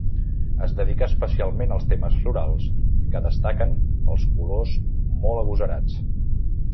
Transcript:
Es dedicà especialment als temes florals que destaquen pels colors molt agosarats.